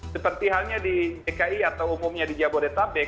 seperti halnya di dki atau umumnya di jabodetabek